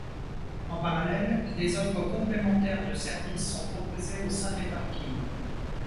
En parallèle, des offres complémentaires de services sont proposées au sein des parkings.